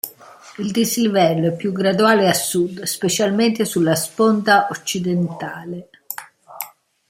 Il dislivello è più graduale a sud, specialmente sulla sponda occidentale.